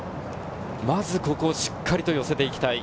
まずしっかりと寄せて行きたい